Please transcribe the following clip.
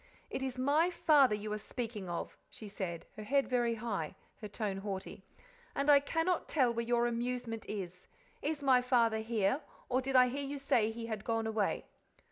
"It is my father you are speaking of," she said, her head very high, her tone haughty, "and I cannot tell where your amusement is. Is my father here, or did I hear you say he had gone away?"